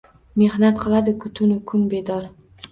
Mehnat qiladiku tun-u kun bedor.